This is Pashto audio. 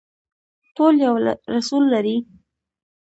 ټول یو رسول لري